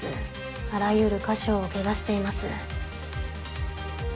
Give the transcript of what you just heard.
あらゆる箇所をケガしています。